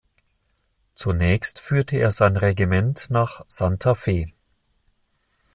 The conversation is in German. Zunächst führte er sein Regiment nach Santa Fe.